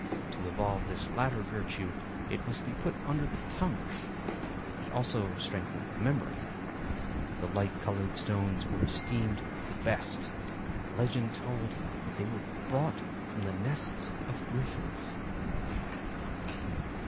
To evolve this latter virtue it must be put under the tongue. It also strengthened the memory. The light colored stones were esteemed the best and legend told that they were brought from the "nests of griffons."